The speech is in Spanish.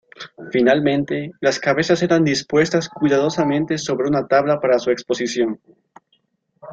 Finalmente las cabezas eran dispuestas cuidadosamente sobre una tabla para su exposición.